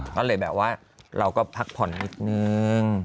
ก็เลยแบบว่าเราก็พักผ่อนนิดนึง